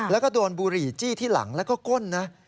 แล้วก็โดนบุหรี่จี้ที่หลังแล้วก็ก้นนะ